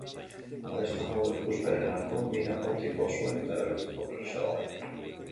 Balezta gau-ikuspenerako mira optikoa zuen eta erabiltzeko prest zegoen.